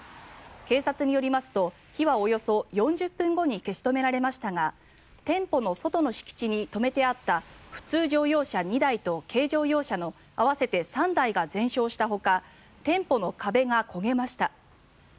警察によりますと火はおよそ４０分後に消し止められましたが店舗の外の敷地に止めてあった普通乗用車２台と軽乗用車の合わせて３台が全焼したほか店舗の壁が焦げました。